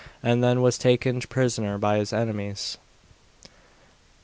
and then was taken prisoner by his enemies.